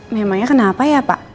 memangnya kenapa ya pak